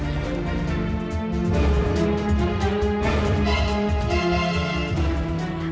uang lima juta rupiah